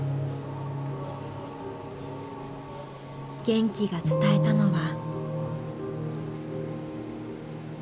玄暉が伝えたのは。